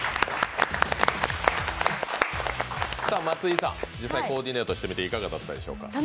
松井さん、実際コーディネートしてみていかがだったでしょうか。